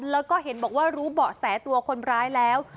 แล้วก็เห็นบอกว่ารู้เบาะแสตัวคนร้ายแล้ว